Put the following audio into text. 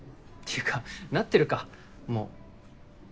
いうかなってるかもう。